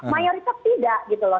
mayoritas tidak gitu loh